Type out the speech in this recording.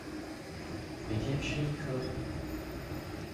每天吃一顆